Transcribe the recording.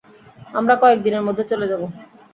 আমরা কয়েক দিনের মধ্যে চলে যাব।